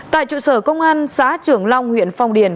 tại trụ sở công an xã trưởng long huyện phong điền